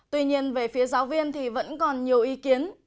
tuy nhiên về phía giáo viên thì vẫn còn nhiều ý kiến